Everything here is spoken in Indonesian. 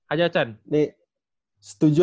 aja chan ini setuju